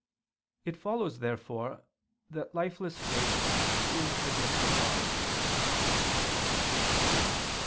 It follows, therefore, that lifeless faith is a gift of God.